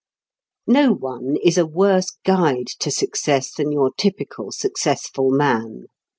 No one is a worse guide to success than your typical successful man.